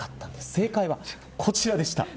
正解は、こちらでした。